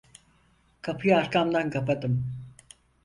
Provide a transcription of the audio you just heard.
Kapıyı arkamdan kapadım.